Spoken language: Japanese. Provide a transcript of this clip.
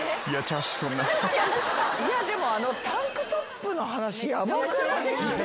でもあのタンクトップの話ヤバくない？